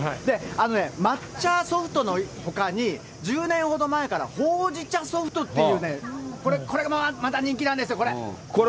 あのね、抹茶ソフトのほかに、１０年ほど前からほうじ茶ソフトっていうね、これがまた人気なんですよ、これ。